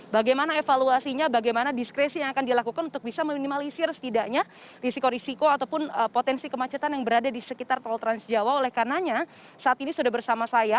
bagaimana evaluasinya bagaimana diskresi yang akan dilakukan untuk bisa meminimalisir setidaknya risiko risiko ataupun potensi kemacetan yang berada di sekitar tol transjawa oleh karenanya saat ini sudah bersama saya